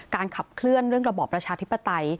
ขับเคลื่อนเรื่องระบอบประชาธิปไตย